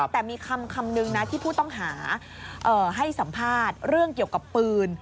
แต่มีคำนึงนะที่ผู้ต้องหาให้สัมภาษณ์เรื่องเกี่ยวกับปืน